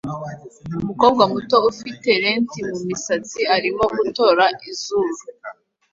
Umukobwa muto ufite lente mumisatsi arimo gutora izuru